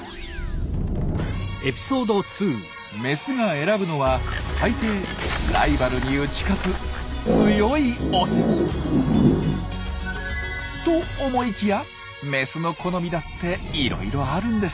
メスが選ぶのは大抵ライバルに打ち勝つと思いきやメスの好みだっていろいろあるんです。